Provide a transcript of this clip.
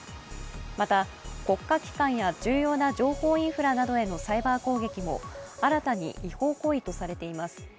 また、国家機関や重要な情報インフラなどへのサイバー攻撃も新たに違法行為とされています。